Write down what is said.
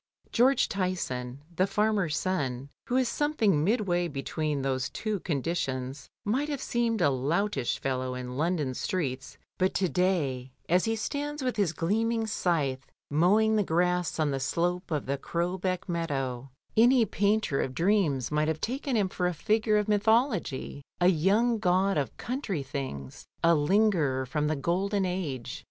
George Tyson, the farmer's son, who is something midway between those two conditions, might have seemed a loutish fellow in London streets, but to day, as he stands with his gleaming scythe mowing the grass on the slope of the Crowbeck meadow, any painter of dreams "a boat, a boat xjnto the ferry." 167 might have taken him for a figure of mythology, a young god of country things, a lingerer from the golden age.